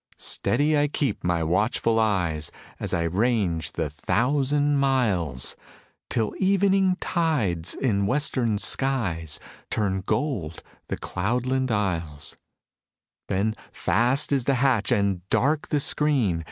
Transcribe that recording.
Steady I keep my watchful eyes, As I range the thousand miles. Till evening tides in western skies Turn gold the cloudland isles; Then fast is the hatch and dark the screen.